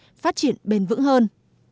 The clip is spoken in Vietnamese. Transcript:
các nội dung phát triển bền vững hơn